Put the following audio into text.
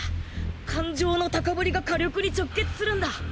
感情の昂りが火力に直結するんだ！